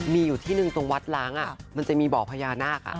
มีอยู่ที่หนึ่งตรงวัดล้างมันจะมีบ่อพญานาค